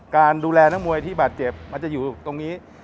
การดูแลนักมวยที่บาดเจ็บมันจะอยู่ตรงนี้